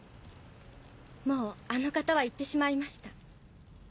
もうあの方は行ってしまいました。